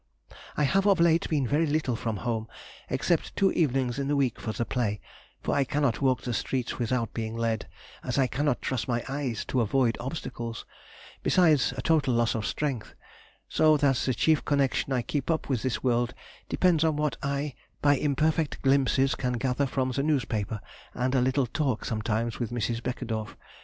I have of late been very little from home, except two evenings in the week to the play, for I cannot walk the streets without being led, as I cannot trust my eyes to avoid obstacles, besides a total loss of strength; so that the chief connection I keep up with this world depends on what I by imperfect glimpses can gather from the newspaper and a little talk sometimes with Mrs. Beckedorff.